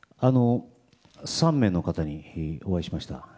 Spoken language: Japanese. ３名の方にお会いしました。